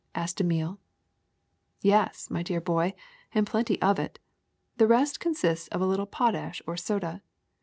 asked Emile. Yes, my dear boy, and plenty of it. The rest consists of a little potash or soda.